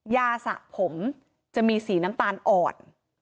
สะผมจะมีสีน้ำตาลอ่อน